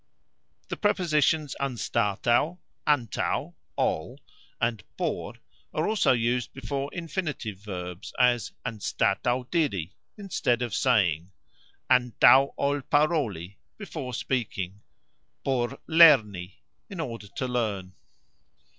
The prepositions "anstataux", "antaux" ("ol"), and "por" are also used before Infinitive verbs, as "anstataux diri", instead of saying (to say); "antaux ol paroli", before speaking; "por lerni", in order to learn.